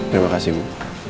terima kasih bu